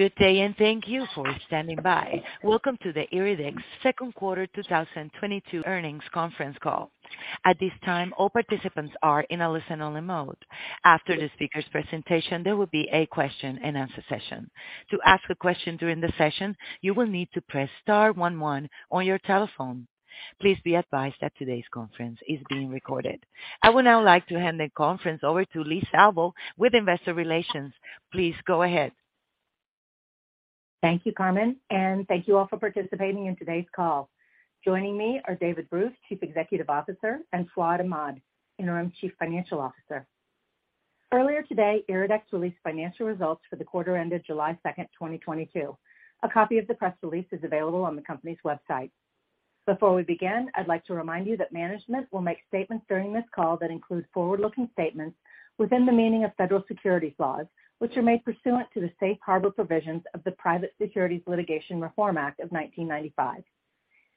Good day, and thank you for standing by. Welcome to the IRIDEX second quarter 2022 earnings conference call. At this time, all participants are in a listen-only mode. After the speaker's presentation, there will be a question and answer session. To ask a question during the session, you will need to press star one one on your telephone. Please be advised that today's conference is being recorded. I would now like to hand the conference over to Leigh Salvo with Investor Relations. Please go ahead. Thank you, Carmen, and thank you all for participating in today's call. Joining me are David Bruce, Chief Executive Officer, and Fuad Ahmad, Interim Chief Financial Officer. Earlier today, IRIDEX released financial results for the quarter ended July 2, 2022. A copy of the press release is available on the company's website. Before we begin, I'd like to remind you that management will make statements during this call that include forward-looking statements within the meaning of federal securities laws, which are made pursuant to the safe harbor provisions of the Private Securities Litigation Reform Act of 1995.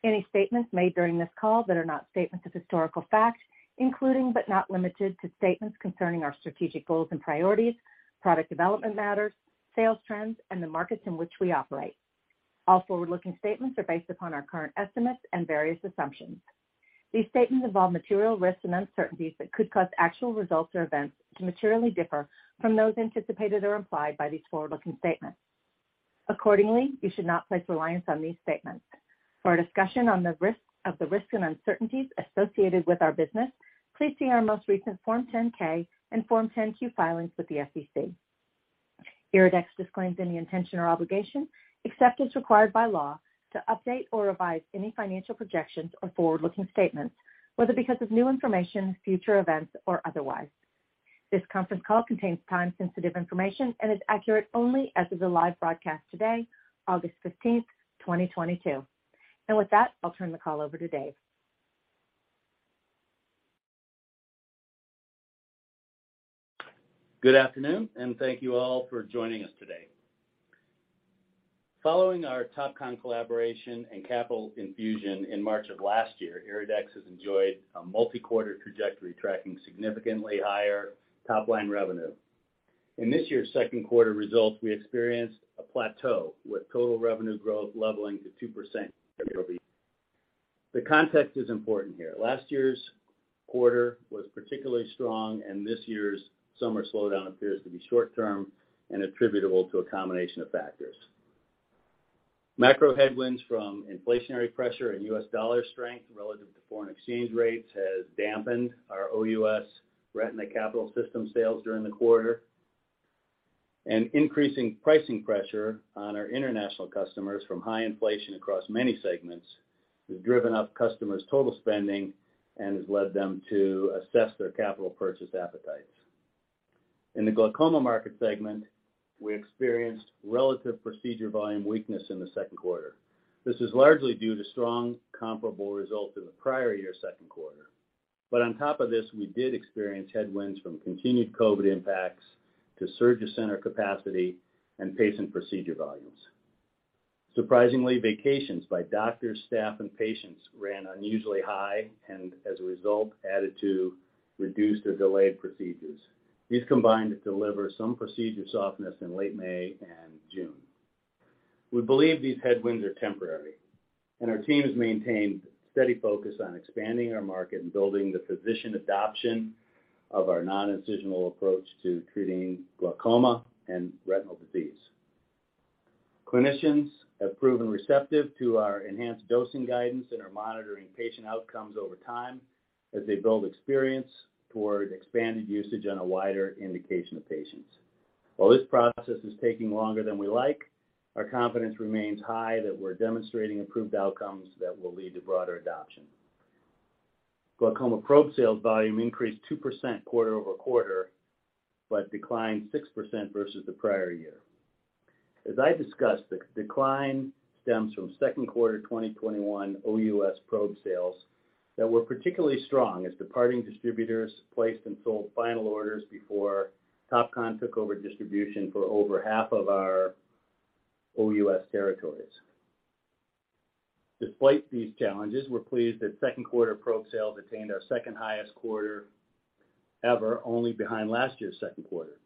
Any statements made during this call that are not statements of historical fact, including but not limited to statements concerning our strategic goals and priorities, product development matters, sales trends, and the markets in which we operate. All forward-looking statements are based upon our current estimates and various assumptions. These statements involve material risks and uncertainties that could cause actual results or events to materially differ from those anticipated or implied by these forward-looking statements. Accordingly, you should not place reliance on these statements. For a discussion of the risks and uncertainties associated with our business, please see our most recent Form 10-K and Form 10-Q filings with the SEC. IRIDEX disclaims any intention or obligation, except as required by law, to update or revise any financial projections or forward-looking statements, whether because of new information, future events or otherwise. This conference call contains time sensitive information and is accurate only as of the live broadcast today, August 15, 2022. With that, I'll turn the call over to Dave. Good afternoon, and thank you all for joining us today. Following our Topcon collaboration and capital infusion in March of last year, IRIDEX has enjoyed a multi-quarter trajectory, tracking significantly higher top line revenue. In this year's second quarter results, we experienced a plateau with total revenue growth leveling to 2% year-over-year. The context is important here. Last year's quarter was particularly strong, and this year's summer slowdown appears to be short term and attributable to a combination of factors. Macro headwinds from inflationary pressure and U.S. dollar strength relative to foreign exchange rates has dampened our OUS retina capital system sales during the quarter. Increasing pricing pressure on our international customers from high inflation across many segments has driven up customers' total spending and has led them to assess their capital purchase appetites. In the glaucoma market segment, we experienced relative procedure volume weakness in the second quarter. This is largely due to strong comparable results in the prior year's second quarter. On top of this, we did experience headwinds from continued COVID impacts to surgery center capacity and patient procedure volumes. Surprisingly, vacations by doctors, staff and patients ran unusually high and as a result added to reduced or delayed procedures. These combined to deliver some procedure softness in late May and June. We believe these headwinds are temporary, and our team has maintained steady focus on expanding our market and building the physician adoption of our non-incisional approach to treating glaucoma and retinal disease. Clinicians have proven receptive to our enhanced dosing guidance and are monitoring patient outcomes over time as they build experience toward expanded usage on a wider indication of patients. While this process is taking longer than we like, our confidence remains high that we're demonstrating improved outcomes that will lead to broader adoption. Glaucoma probe sales volume increased 2% quarter-over-quarter, but declined 6% versus the prior year. As I discussed, the decline stems from second quarter 2021 OUS probe sales that were particularly strong as departing distributors placed and sold final orders before Topcon took over distribution for over half of our OUS territories. Despite these challenges, we're pleased that second quarter probe sales attained our second highest quarter ever, only behind last year's second quarter.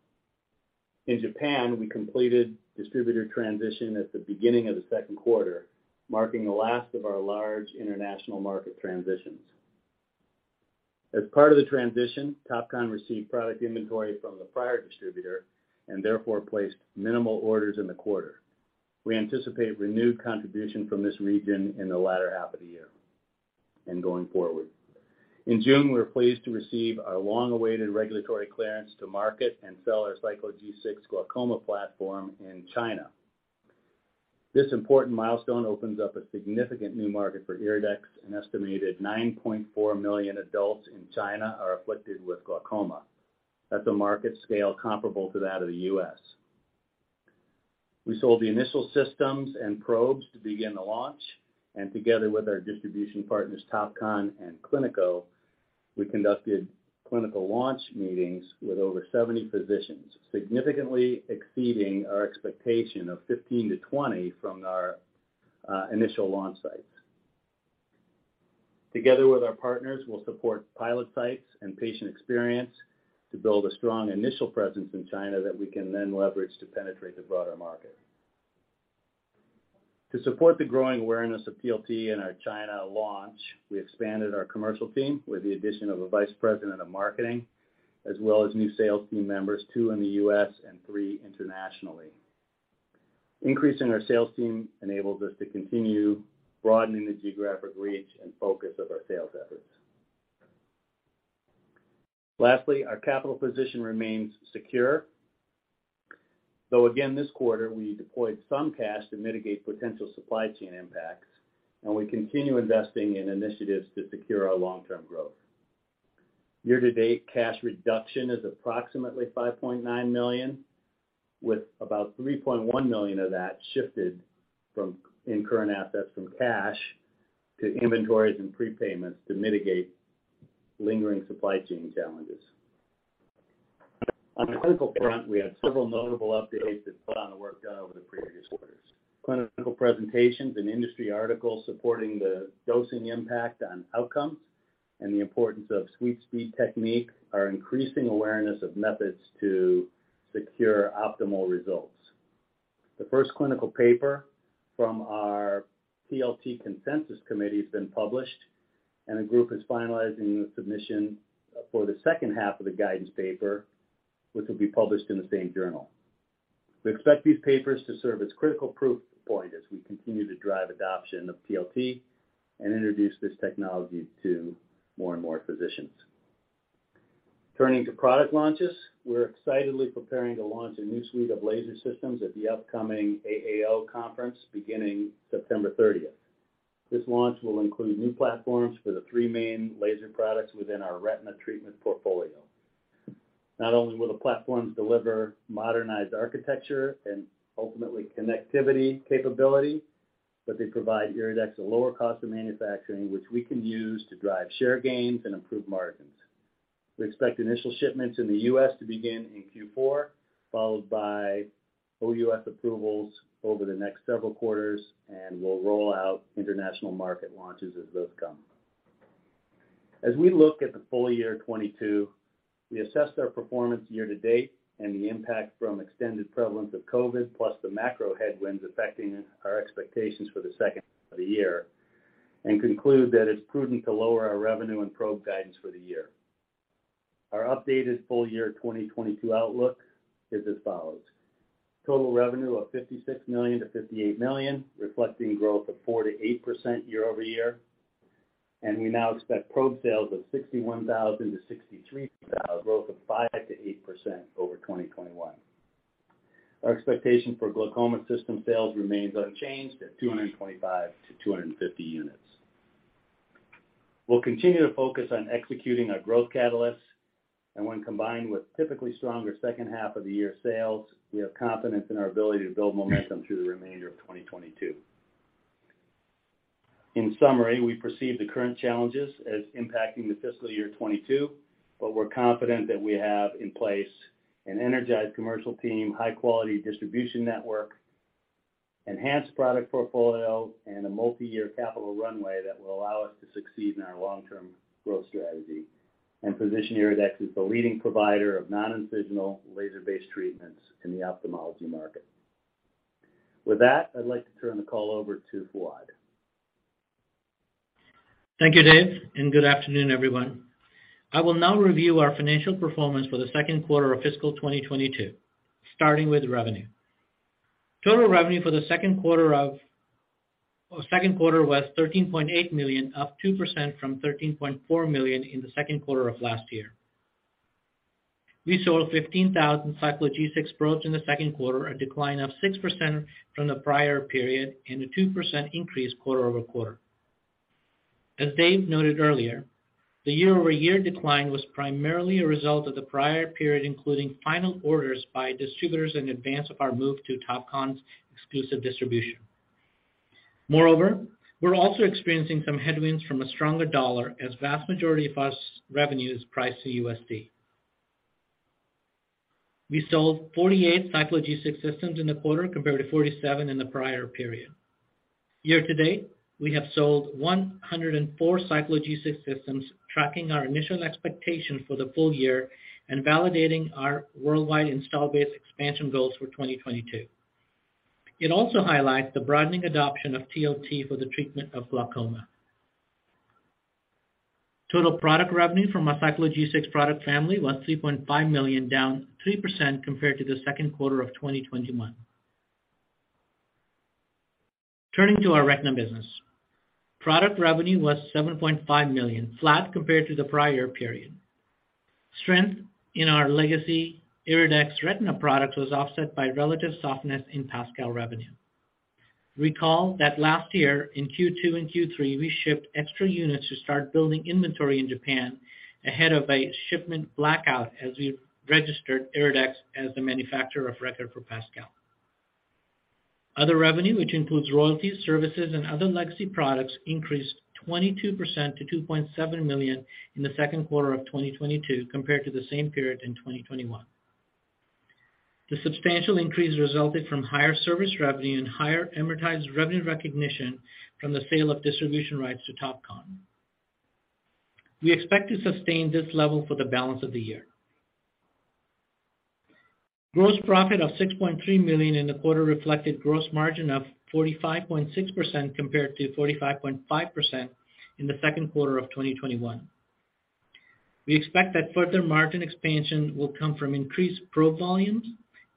In Japan, we completed distributor transition at the beginning of the second quarter, marking the last of our large international market transitions. As part of the transition, Topcon received product inventory from the prior distributor and therefore placed minimal orders in the quarter. We anticipate renewed contribution from this region in the latter half of the year and going forward. In June, we were pleased to receive our long-awaited regulatory clearance to market and sell our Cyclo G6 glaucoma platform in China. This important milestone opens up a significant new market for IRIDEX. An estimated 9.4 million adults in China are afflicted with glaucoma. That's a market scale comparable to that of the U.S. We sold the initial systems and probes to begin the launch, and together with our distribution partners, Topcon and Clinico, we conducted clinical launch meetings with over 70 physicians, significantly exceeding our expectation of 15-20 from our initial launch sites. Together with our partners, we'll support pilot sites and patient experience to build a strong initial presence in China that we can then leverage to penetrate the broader market. To support the growing awareness of PLT and our China launch, we expanded our commercial team with the addition of a vice president of marketing, as well as new sales team members, two in the US and three internationally. Increasing our sales team enables us to continue broadening the geographic reach and focus of our sales efforts. Lastly, our capital position remains secure, though again this quarter, we deployed some cash to mitigate potential supply chain impacts, and we continue investing in initiatives to secure our long-term growth. Year-to-date cash reduction is approximately $5.9 million, with about $3.1 million of that shifted from in current assets to cash to inventories and prepayments to mitigate lingering supply chain challenges. On the clinical front, we had several notable updates that build on the work done over the previous quarters. Clinical presentations and industry articles supporting the dosing impact on outcomes and the importance of sweep speed technique are increasing awareness of methods to secure optimal results. The first clinical paper from our PLT consensus committee has been published, and the group is finalizing the submission for the second half of the guidance paper, which will be published in the same journal. We expect these papers to serve as critical proof point as we continue to drive adoption of PLT and introduce this technology to more and more physicians. Turning to product launches, we're excitedly preparing to launch a new suite of laser systems at the upcoming AAO conference beginning September 30. This launch will include new platforms for the three main laser products within our retina treatment portfolio. Not only will the platforms deliver modernized architecture and ultimately connectivity capability, but they provide IRIDEX a lower cost of manufacturing, which we can use to drive share gains and improve margins. We expect initial shipments in the US to begin in Q4, followed by OUS approvals over the next several quarters, and we'll roll out international market launches as those come. As we look at the full year 2022, we assess our performance year to date and the impact from extended prevalence of COVID, plus the macro headwinds affecting our expectations for the second half of the year, and conclude that it's prudent to lower our revenue and probe guidance for the year. Our updated full year 2022 outlook is as follows. Total revenue of $56 million-$58 million, reflecting growth of 4%-8% year-over-year. We now expect probe sales of 61,000-63,000, growth of 5%-8% over 2021. Our expectation for glaucoma system sales remains unchanged at 225-250 units. We'll continue to focus on executing our growth catalysts, and when combined with typically stronger second half of the year sales, we have confidence in our ability to build momentum through the remainder of 2022. In summary, we perceive the current challenges as impacting the fiscal year 2022, but we're confident that we have in place an energized commercial team, high quality distribution network, enhanced product portfolio, and a multi-year capital runway that will allow us to succeed in our long-term growth strategy and position IRIDEX as the leading provider of non-incisional laser-based treatments in the ophthalmology market. With that, I'd like to turn the call over to Fuad. Thank you, Dave, and good afternoon, everyone. I will now review our financial performance for the second quarter of fiscal 2022, starting with revenue. Total revenue for the second quarter was $13.8 million, up 2% from $13.4 million in the second quarter of last year. We sold 15,000 Cyclo G6 probes in the second quarter, a decline of 6% from the prior period, and a 2% increase quarter-over-quarter. As Dave noted earlier, the year-over-year decline was primarily a result of the prior period, including final orders by distributors in advance of our move to Topcon's exclusive distribution. Moreover, we're also experiencing some headwinds from a stronger dollar as the vast majority of our revenue is priced in USD. We sold 48 Cyclo G6 systems in the quarter compared to 47 in the prior period. Year to date, we have sold 104 Cyclo G6 systems, tracking our initial expectation for the full year and validating our worldwide install base expansion goals for 2022. It also highlights the broadening adoption of TLT for the treatment of glaucoma. Total product revenue from our Cyclo G6 product family was $3.5 million, down 3% compared to the second quarter of 2021. Turning to our retina business. Product revenue was $7.5 million, flat compared to the prior period. Strength in our legacy IRIDEX retina product was offset by relative softness in PASCAL revenue. Recall that last year in Q2 and Q3, we shipped extra units to start building inventory in Japan ahead of a shipment blackout as we registered IRIDEX as the manufacturer of record for PASCAL. Other revenue, which includes royalties, services, and other legacy products, increased 22% to $2.7 million in the second quarter of 2022 compared to the same period in 2021. The substantial increase resulted from higher service revenue and higher amortized revenue recognition from the sale of distribution rights to Topcon. We expect to sustain this level for the balance of the year. Gross profit of $6.3 million in the quarter reflected gross margin of 45.6% compared to 45.5% in the second quarter of 2021. We expect that further margin expansion will come from increased probe volumes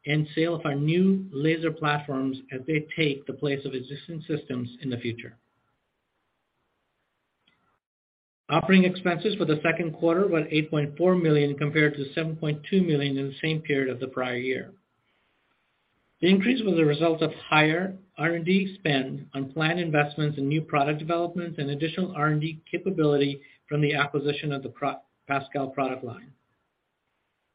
and sale of our new laser platforms as they take the place of existing systems in the future. Operating expenses for the second quarter were $8.4 million compared to $7.2 million in the same period of the prior year. The increase was a result of higher R&D spend on planned investments in new product developments and additional R&D capability from the acquisition of the PASCAL product line.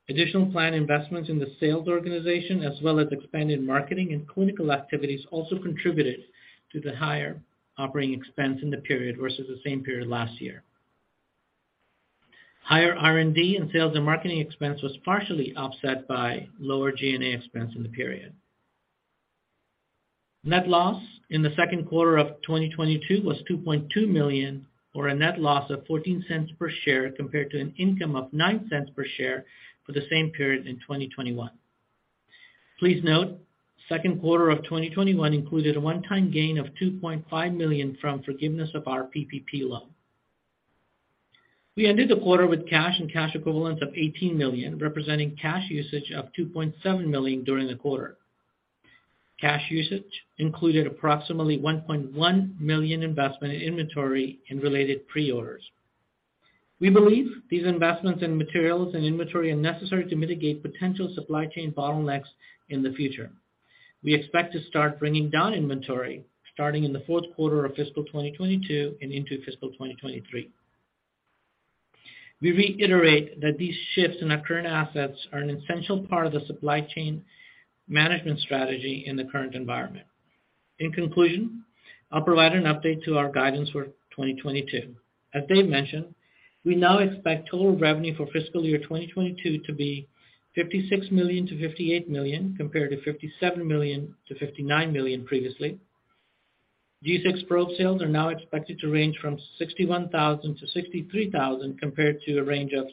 Additional planned investments in the sales organization as well as expanded marketing and clinical activities also contributed to the higher operating expense in the period versus the same period last year. Higher R&D and sales and marketing expense was partially offset by lower G&A expense in the period. Net loss in the second quarter of 2022 was $2.2 million or a net loss of $0.14 per share, compared to an income of $0.09 per share for the same period in 2021. Please note, second quarter of 2021 included a one-time gain of $2.5 million from forgiveness of our PPP loan. We ended the quarter with cash and cash equivalents of $18 million, representing cash usage of $2.7 million during the quarter. Cash usage included approximately $1.1 million investment in inventory and related pre-orders. We believe these investments in materials and inventory are necessary to mitigate potential supply chain bottlenecks in the future. We expect to start bringing down inventory starting in the fourth quarter of fiscal 2022 and into fiscal 2023. We reiterate that these shifts in our current assets are an essential part of the supply chain management strategy in the current environment. In conclusion, I'll provide an update to our guidance for 2022. As Dave mentioned, we now expect total revenue for fiscal year 2022 to be $56 million-$58 million, compared to $57 million-$59 million previously. G6 probe sales are now expected to range from 61,000-63,000, compared to a range of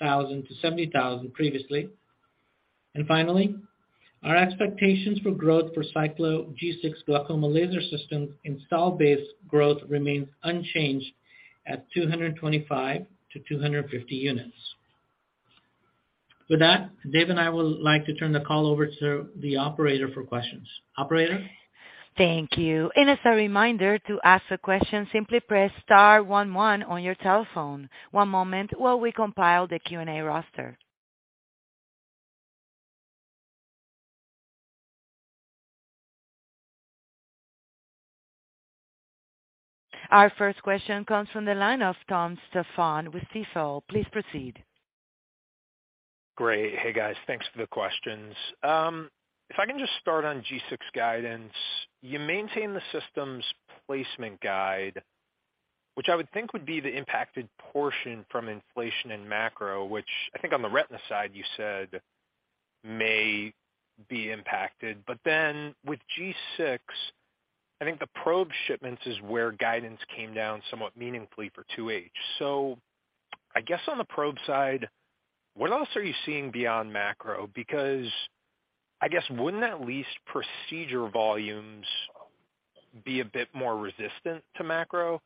67,000-70,000 previously. Finally, our expectations for growth for Cyclo G6 glaucoma laser systems installed base growth remains unchanged at 225-250 units. With that, Dave and I would like to turn the call over to the operator for questions. Operator? Thank you. As a reminder, to ask a question, simply press star one one on your telephone. One moment while we compile the Q&A roster. Our first question comes from the line of Thomas Stephan with Stifel. Please proceed. Great. Hey, guys. Thanks for the questions. If I can just start on G6 guidance, you maintain the system's placement guidance, which I would think would be the impacted portion from inflation and macro, which I think on the retina side you said may be impacted. With G6, I think the probe shipments is where guidance came down somewhat meaningfully for 2H. I guess on the probe side, what else are you seeing beyond macro? Because I guess wouldn't at least procedure volumes be a bit more resistant to macro?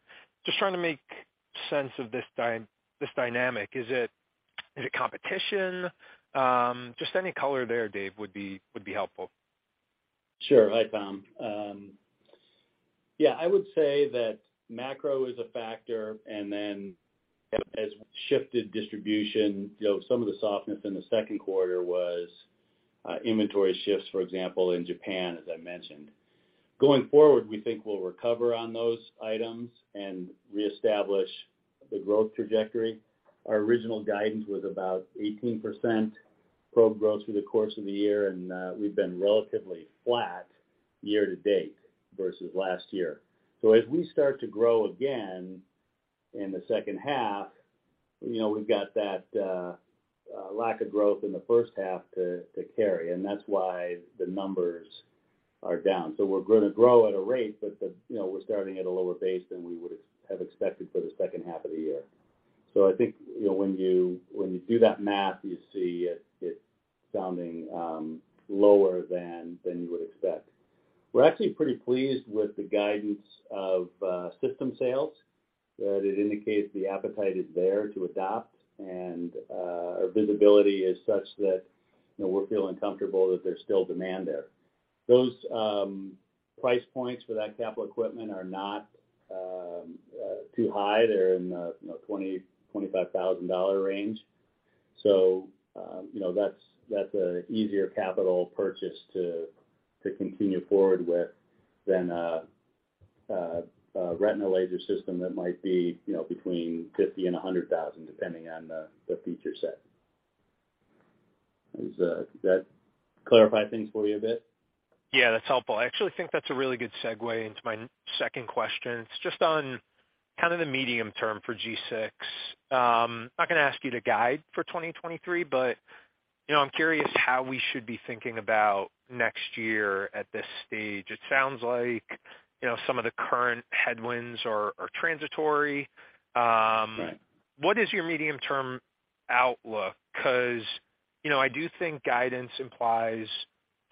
Just trying to make sense of this dynamic. Is it competition? Just any color there, Dave, would be helpful? Sure. Hi, Tom. Yeah, I would say that macro is a factor, and then as we shifted distribution, you know, some of the softness in the second quarter was inventory shifts, for example, in Japan, as I mentioned. Going forward, we think we'll recover on those items and reestablish the growth trajectory. Our original guidance was about 18% probe growth through the course of the year, and we've been relatively flat year to date versus last year. As we start to grow again in the second half, you know, we've got that lack of growth in the first half to carry, and that's why the numbers are down. We're gonna grow at a rate, but the, you know, we're starting at a lower base than we would have expected for the second half of the year. I think, you know, when you do that math, you see it's sounding lower than you would expect. We're actually pretty pleased with the guidance of system sales, that it indicates the appetite is there to adopt and our visibility is such that, you know, we're feeling comfortable that there's still demand there. Those price points for that capital equipment are not too high. They're in the, you know, $20,000-$25,000 range. You know, that's an easier capital purchase to continue forward with than a retina laser system that might be, you know, between $50,000 and $100,000, depending on the feature set. Does that clarify things for you a bit? Yeah, that's helpful. I actually think that's a really good segue into my second question. It's just on kind of the medium term for G6. I'm not gonna ask you to guide for 2023, but, you know, I'm curious how we should be thinking about next year at this stage. It sounds like, you know, some of the current headwinds are transitory. Right. What is your medium-term outlook? 'Cause, you know, I do think guidance implies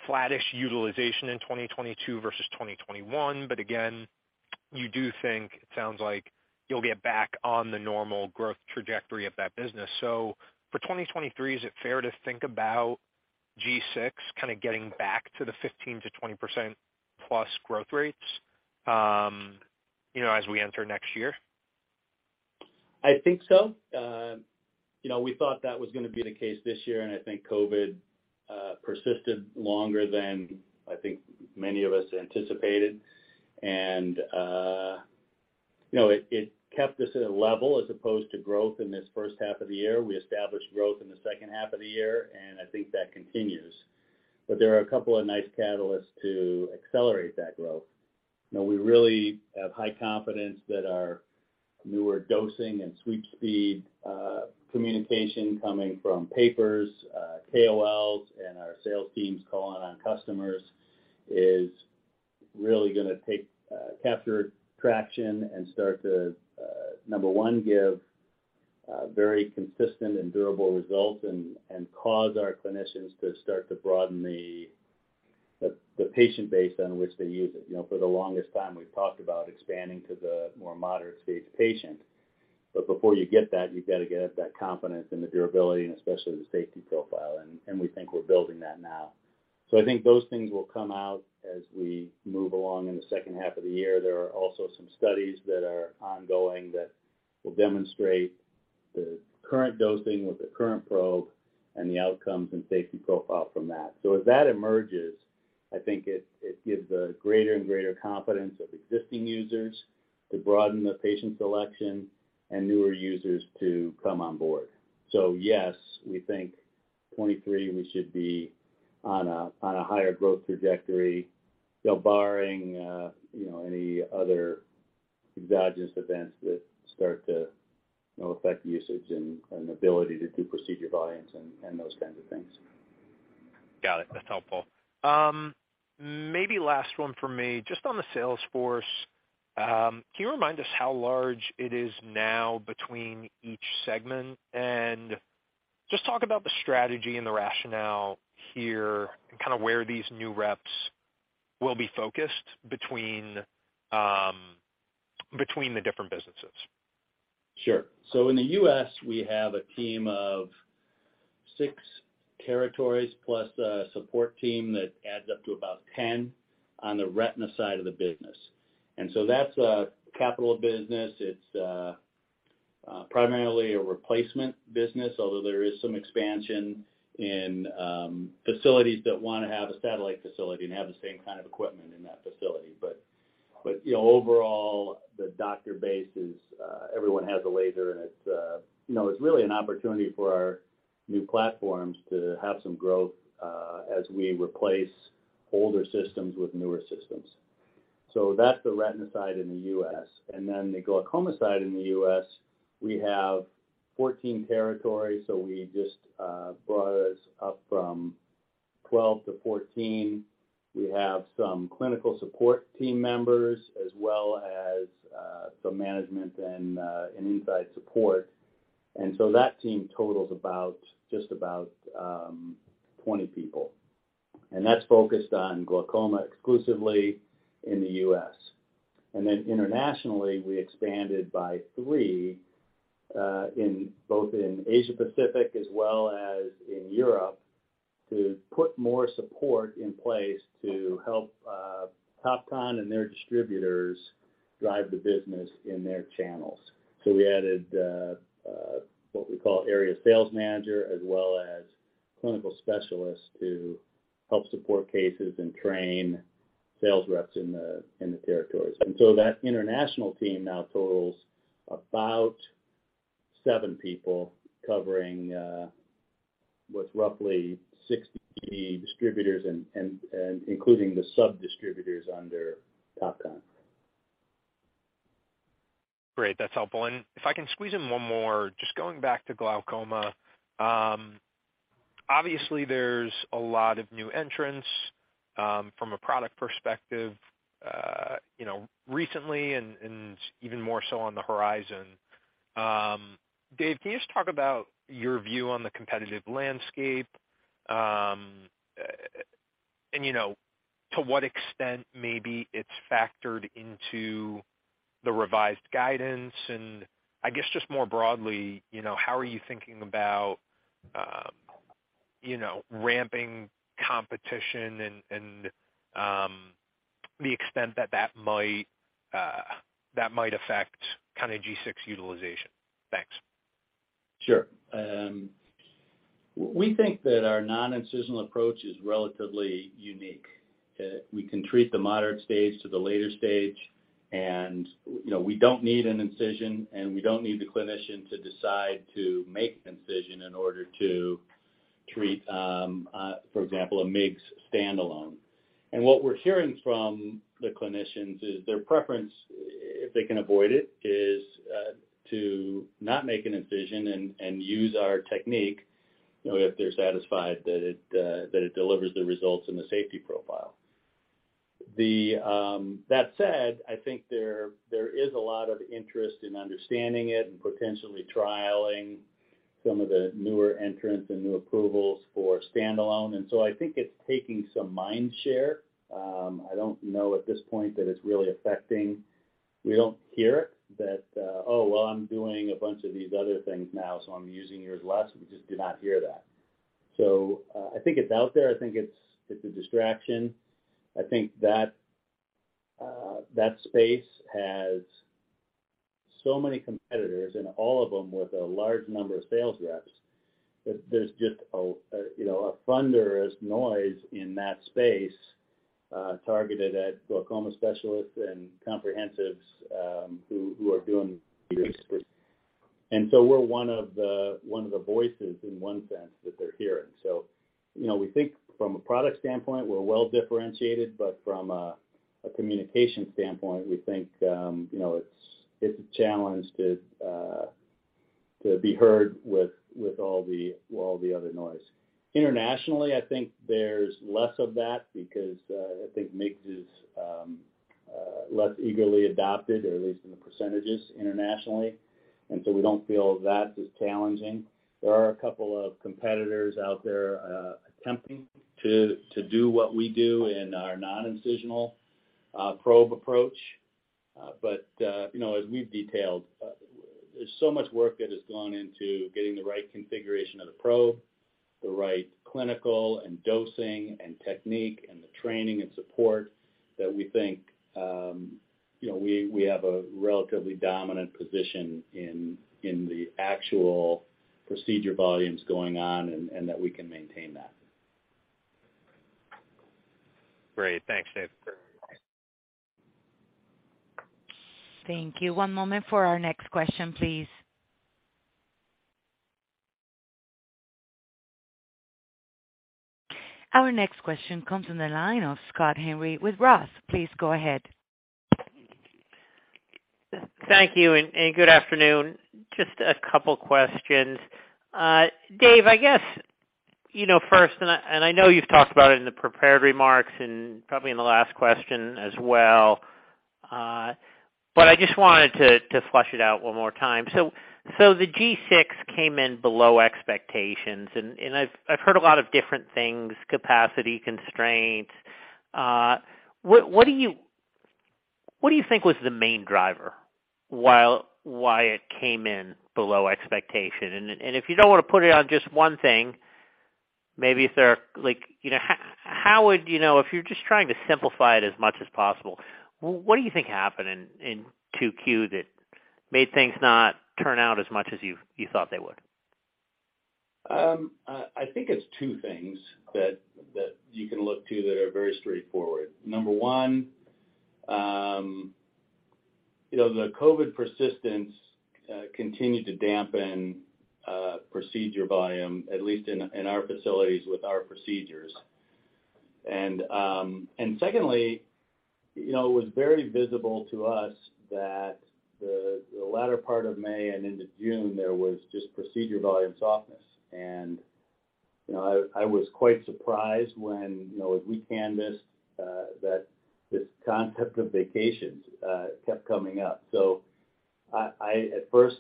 flattish utilization in 2022 versus 2021. Again, you do think it sounds like you'll get back on the normal growth trajectory of that business. For 2023, is it fair to think about G6 kind of getting back to the 15%-20%+ growth rates, you know, as we enter next year? I think so. You know, we thought that was gonna be the case this year, and I think COVID persisted longer than I think many of us anticipated. You know, it kept us at a level as opposed to growth in this first half of the year. We established growth in the second half of the year, and I think that continues. There are a couple of nice catalysts to accelerate that growth. You know, we really have high confidence that our newer dosing and sweep speed communication coming from papers, KOLs, and our sales teams calling on customers is really gonna capture traction and start to number one, give very consistent and durable results and cause our clinicians to start to broaden the patient base on which they use it. You know, for the longest time, we've talked about expanding to the more moderate-stage patient. Before you get that, you've got to get that confidence in the durability, and especially the safety profile, and we think we're building that now. I think those things will come out as we move along in the second half of the year. There are also some studies that are ongoing that will demonstrate the current dosing with the current probe and the outcomes and safety profile from that. As that emerges, I think it gives a greater and greater confidence of existing users to broaden the patient selection and newer users to come on board. Yes, we think 2023, we should be on a higher growth trajectory, you know, barring any other exogenous events that start to affect usage and ability to do procedure volumes and those kinds of things. Got it. That's helpful. Maybe last one for me, just on the sales force. Can you remind us how large it is now between each segment? Just talk about the strategy and the rationale here, and kind of where these new reps will be focused between the different businesses? Sure. In the US, we have a team of six territories plus the support team that adds up to about 10 on the retina side of the business. That's a capital business. It's primarily a replacement business, although there is some expansion in facilities that wanna have a satellite facility and have the same kind of equipment in that facility. But you know, overall, the doctor base is everyone has a laser and it's you know, it's really an opportunity for our new platforms to have some growth as we replace older systems with newer systems. That's the retina side in the US. The glaucoma side in the US, we have 14 territories, so we just brought us up from 12-14. We have some clinical support team members as well as some management and inside support. That team totals about, just about, 20 people. That's focused on glaucoma exclusively in the U.S. Internationally, we expanded by three in both Asia Pacific as well as in Europe, to put more support in place to help Topcon and their distributors drive the business in their channels. We added what we call area sales manager as well as clinical specialists to help support cases and train sales reps in the territories. That international team now totals about seven people covering what's roughly 60 distributors and including the sub-distributors under Topcon. Great. That's helpful. If I can squeeze in one more, just going back to glaucoma. Obviously there's a lot of new entrants from a product perspective, you know, recently and even more so on the horizon. Dave, can you just talk about your view on the competitive landscape? You know, to what extent maybe it's factored into the revised guidance? I guess just more broadly, you know, how are you thinking about, you know, ramping competition and the extent that that might affect kind of G6 utilization? Thanks. Sure. We think that our non-incisional approach is relatively unique. We can treat the moderate stage to the later stage. You know, we don't need an incision, and we don't need the clinician to decide to make an incision in order to treat, for example, a MIGS standalone. What we're hearing from the clinicians is their preference, if they can avoid it, is to not make an incision and use our technique, you know, if they're satisfied that it that it delivers the results and the safety profile. That said, I think there is a lot of interest in understanding it and potentially trialing some of the newer entrants and new approvals for standalone. I think it's taking some mind share. I don't know at this point that it's really affecting. We don't hear it, that, "Oh, well, I'm doing a bunch of these other things now, so I'm using yours less." We just do not hear that. I think it's out there. I think it's a distraction. I think that space has so many competitors and all of them with a large number of sales reps, that there's just, you know, a thunderous noise in that space, targeted at glaucoma specialists and comprehensives, who are doing this. We're one of the voices in one sense that they're hearing. You know, we think from a product standpoint, we're well-differentiated, but from a communication standpoint, we think, you know, it's a challenge to be heard with all the other noise. Internationally, I think there's less of that because, I think MIGS is less eagerly adopted, or at least in the percentages internationally. We don't feel that is challenging. There are a couple of competitors out there, attempting to do what we do in our non-incisional, probe approach. You know, as we've detailed, there's so much work that has gone into getting the right configuration of the probe, the right clinical and dosing and technique and the training and support that we think, you know, we have a relatively dominant position in the actual procedure volumes going on and that we can maintain that. Great. Thanks, Dave. Thank you. One moment for our next question, please. Our next question comes from the line of Scott Henry with ROTH. Please go ahead. Thank you and good afternoon. Just a couple questions. David, I guess, you know, first, and I know you've talked about it in the prepared remarks and probably in the last question as well. But I just wanted to flesh it out one more time. The G6 came in below expectations, and I've heard a lot of different things, capacity constraints. What do you think was the main driver why it came in below expectation? If you don't wanna put it on just one thing, maybe if there like, you know, how would you know if you're just trying to simplify it as much as possible, what do you think happened in 2Q that made things not turn out as much as you thought they would? I think it's two things that you can look to that are very straightforward. Number one, you know, the COVID persistence continued to dampen procedure volume, at least in our facilities with our procedures. Secondly, you know, it was very visible to us that the latter part of May and into June, there was just procedure volume softness. You know, I was quite surprised when, you know, as we canvassed, that this concept of vacations kept coming up. I at first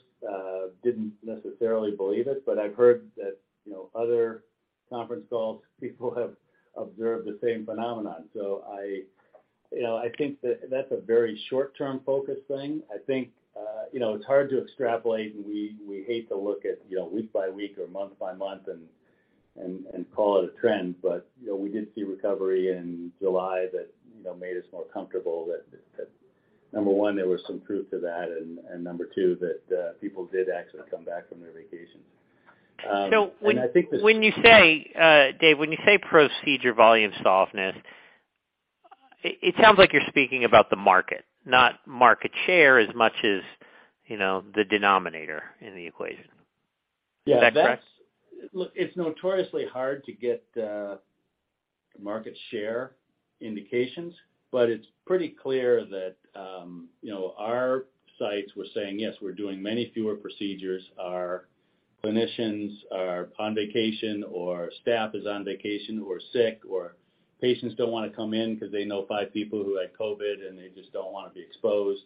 didn't necessarily believe it, but I've heard that, you know, other conference calls, people have observed the same phenomenon. I, you know, I think that that's a very short-term focus thing. I think, you know, it's hard to extrapolate, and we hate to look at, you know, week by week or month by month and call it a trend. You know, we did see recovery in July that, you know, made us more comfortable that number one, there was some truth to that. Number two, that people did actually come back from their vacations. I think this. When you say, David, when you say procedure volume softness, it sounds like you're speaking about the market, not market share as much as, you know, the denominator in the equation. Yeah. Is that correct? Look, it's notoriously hard to get market share indications, but it's pretty clear that you know, our sites were saying, "Yes, we're doing many fewer procedures. Our clinicians are on vacation, or staff is on vacation or sick, or patients don't wanna come in because they know five people who had COVID, and they just don't wanna be exposed."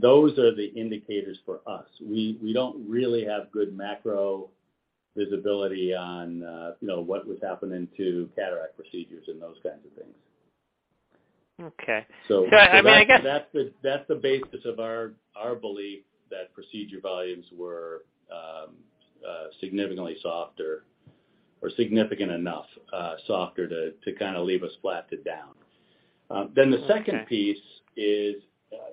Those are the indicators for us. We don't really have good macro visibility on you know, what was happening to cataract procedures and those kinds of things. Okay. I mean, I guess. That's the basis of our belief that procedure volumes were significantly softer or significant enough to kinda leave us flat to down. The second piece is,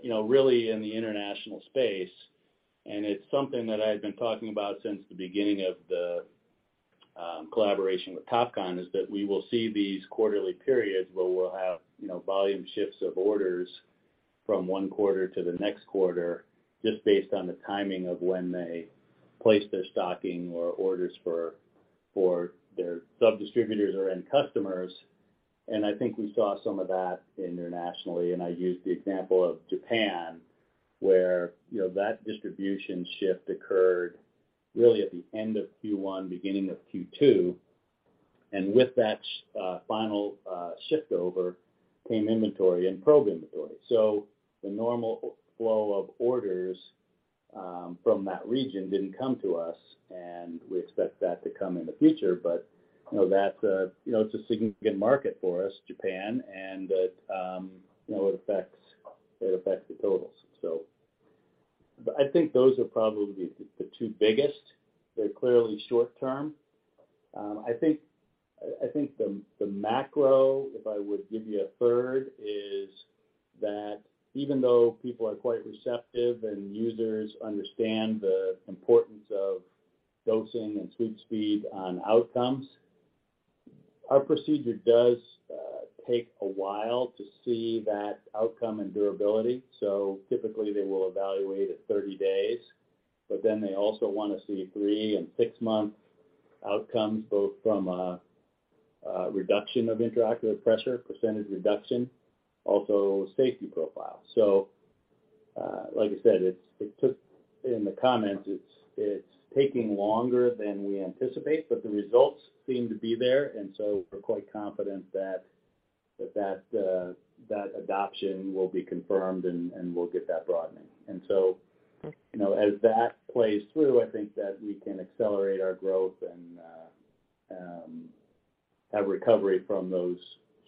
you know, really in the international space, and it's something that I've been talking about since the beginning of the collaboration with Topcon is that we will see these quarterly periods where we'll have, you know, volume shifts of orders from one quarter to the next quarter just based on the timing of when they place their stocking or orders for their sub distributors or end customers. I think we saw some of that internationally, and I used the example of Japan, where, you know, that distribution shift occurred really at the end of Q1, beginning of Q2. With that final shift over came inventory and probe inventory. The normal flow of orders from that region didn't come to us, and we expect that to come in the future. You know, that's a, you know, it's a significant market for us, Japan, and that, you know, it affects the totals. I think those are probably the two biggest. They're clearly short term. I think the macro, if I would give you a third, is that even though people are quite receptive and users understand the importance of dosing and sweep speed on outcomes, our procedure does take a while to see that outcome and durability. Typically they will evaluate at 30 days, but then they also wanna see three- and six-month outcomes, both from reduction of intraocular pressure, percentage reduction, also safety profile. Like I said, in the comments, it's taking longer than we anticipate, but the results seem to be there. We're quite confident that adoption will be confirmed and we'll get that broadening. You know, as that plays through, I think that we can accelerate our growth and have recovery from those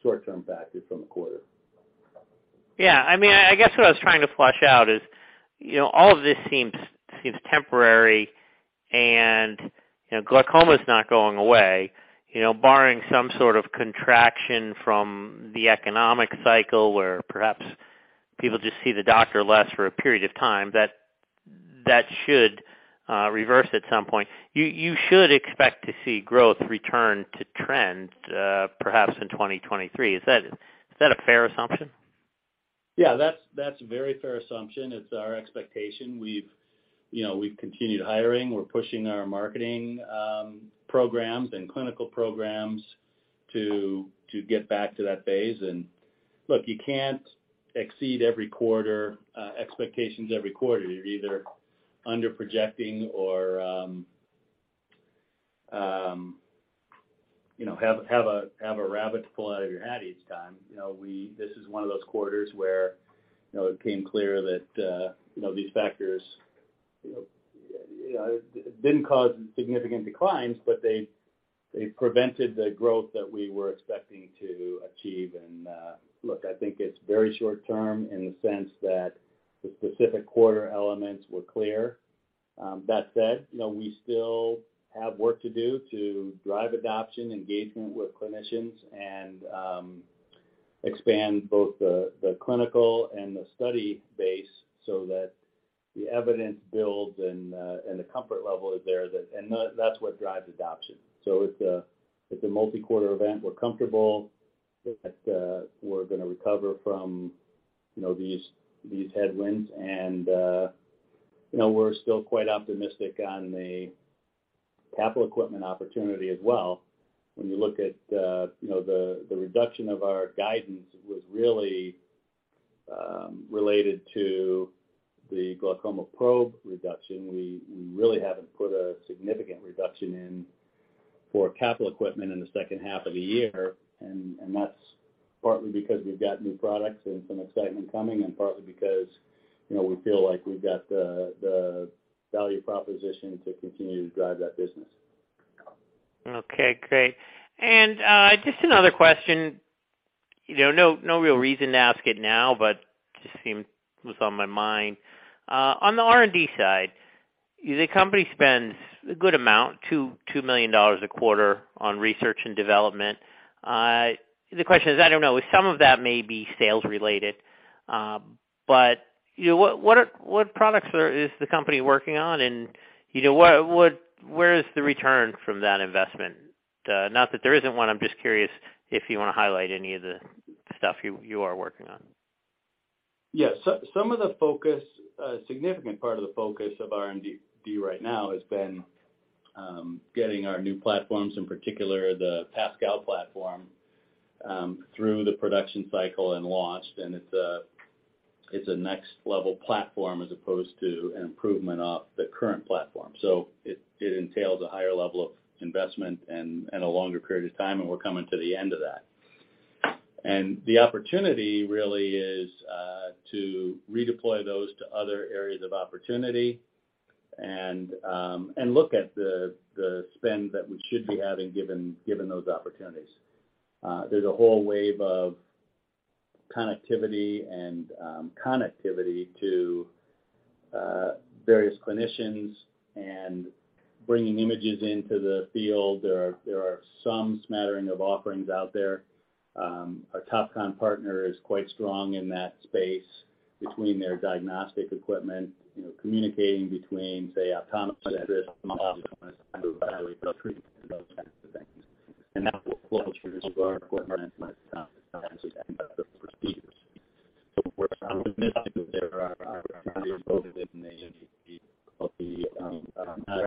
short-term factors from the quarter. Yeah. I mean, I guess what I was trying to flesh out is, you know, all of this seems temporary and, you know, glaucoma is not going away. You know, barring some sort of contraction from the economic cycle where perhaps people just see the doctor less for a period of time, that should reverse at some point. You should expect to see growth return to trend, perhaps in 2023. Is that a fair assumption? Yeah, that's a very fair assumption. It's our expectation. We've, you know, continued hiring. We're pushing our marketing programs and clinical programs to get back to that phase. Look, you can't exceed every quarter expectations every quarter. You're either under-projecting or, you know, have a rabbit to pull out of your hat each time. You know, this is one of those quarters where, you know, it became clear that, you know, these factors, you know, didn't cause significant declines, but they prevented the growth that we were expecting to achieve. Look, I think it's very short term in the sense that the specific quarter elements were clear. That said, you know, we still have work to do to drive adoption, engagement with clinicians and expand both the clinical and the study base so that the evidence builds and the comfort level is there. That's what drives adoption. It's a multi-quarter event. We're comfortable that we're gonna recover from, you know, these headwinds. You know, we're still quite optimistic on the capital equipment opportunity as well. When you look at, you know, the reduction of our guidance was really related to the glaucoma probe reduction. We really haven't put a significant reduction in for capital equipment in the second half of the year, and that's partly because we've got new products and some excitement coming, and partly because, you know, we feel like we've got the value proposition to continue to drive that business. Okay, great. Just another question. You know, no real reason to ask it now, but just was on my mind. On the R&D side, the company spends a good amount, $2 million a quarter on research and development. The question is, I don't know, some of that may be sales related, but you know, what products is the company working on? And you know, where is the return from that investment? Not that there isn't one. I'm just curious if you wanna highlight any of the stuff you are working on? Yeah. Some of the focus, a significant part of the focus of R&D right now has been getting our new platforms, in particular the PASCAL platform, through the production cycle and launched. It's a next level platform as opposed to an improvement of the current platform. It entails a higher level of investment and a longer period of time, and we're coming to the end of that. The opportunity really is to redeploy those to other areas of opportunity and look at the spend that we should be having given those opportunities. There's a whole wave of connectivity and connectivity to various clinicians and bringing images into the field. There are some smattering of offerings out there. Our Topcon partner is quite strong in that space between their diagnostic equipment, you know, communicating between, say, automated those kinds of things. That will tie to our equipment and procedures. We're optimistic that there are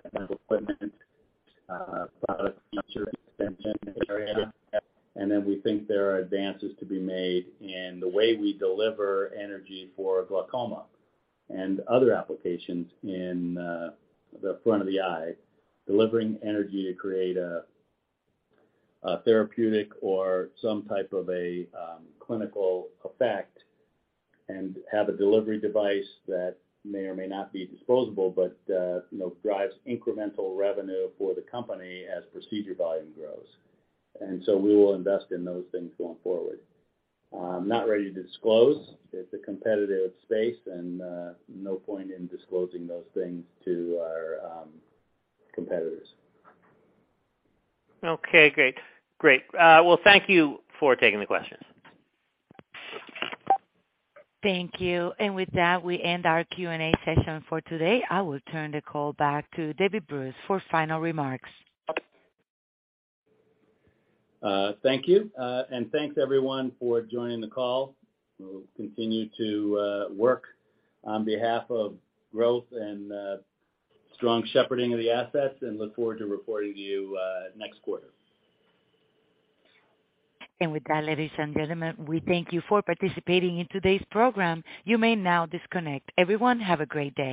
equipment product feature expansion areas. Then we think there are advances to be made in the way we deliver energy for glaucoma and other applications in the front of the eye, delivering energy to create a therapeutic or some type of a clinical effect and have a delivery device that may or may not be disposable, but you know, drives incremental revenue for the company as procedure volume grows. We will invest in those things going forward. I'm not ready to disclose. It's a competitive space and no point in disclosing those things to our competitors. Okay, great. Well, thank you for taking the questions. Thank you. With that, we end our Q&A session for today. I will turn the call back to David Bruce for final remarks. Thank you. Thanks everyone for joining the call. We'll continue to work on behalf of growth and strong shepherding of the assets and look forward to reporting to you next quarter. With that, ladies and gentlemen, we thank you for participating in today's program. You may now disconnect. Everyone, have a great day.